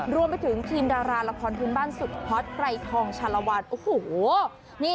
รวมไปถึงทีมดาราละครพื้นบ้านสุดฮอตไกรทองชาลวันโอ้โห